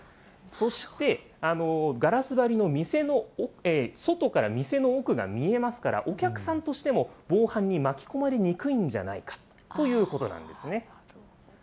そしてガラス張りの店の外から店の奥が見えますから、お客さんとしても防犯に巻き込まれにくいんじゃないかということなんですね。